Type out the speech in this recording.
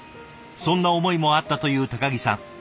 そんな思いもあったという木さん。